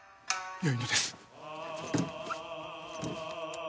よいのです。